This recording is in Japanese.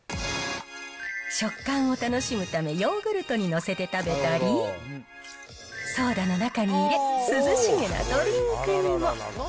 食感を楽しむため、ヨーグルトに載せて食べたり、ソーダの中に入れ、涼しげなドリンクにも。